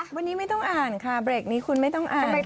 วันนี้ไม่ต้องอ่านค่ะเบรกนี้คุณไม่ต้องอ่าน